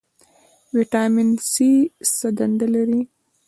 ویټامین سي څه دنده لري؟